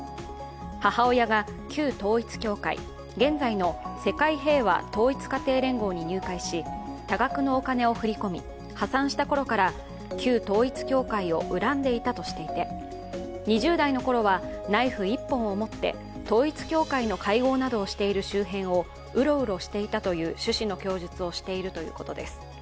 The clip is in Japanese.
母親が旧統一教会、現在の世界平和統一家庭連合に入会し、多額のお金を振り込み、破産したころから旧統一教会を恨んでいたとしていて２０代の頃はナイフ１本を持って統一教会の会合などをしている周辺をうろうろしていたという趣旨の供述をしているということです。